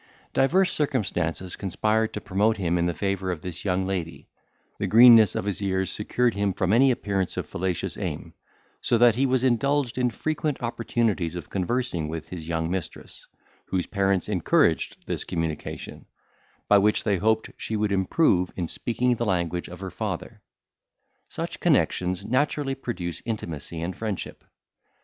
Divers circumstances conspired to promote him in the favour of this young lady; the greenness of his years secured him from any appearance of fallacious aim; so that he was indulged in frequent opportunities of conversing with his young mistress, whose parents encouraged this communication, by which they hoped she would improve in speaking the language of her father. Such connexions naturally produce intimacy and friendship.